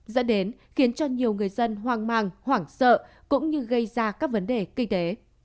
dẫn đến khiến cho nhiều người dân hoang mang hoảng sợ cũng như gây ra các vấn đề kinh tế